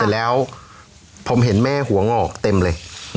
แล้วผมเห็นแม่หัวงอกเต็มเลย